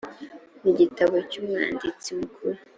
mu gitabo cy umwanditsi mukuru